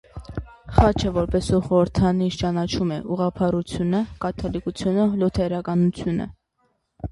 Խաչը որպէս սուրբ խորհրդանիշ կը ճանչնան ուղղափառութիւնը, կաթոլիկութիւնը, լյութերականութիւնը։